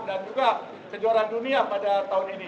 juga kejuaraan dunia pada tahun ini